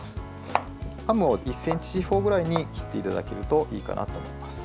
ハムを１ｃｍ四方くらいに切っていただけるといいかなと思います。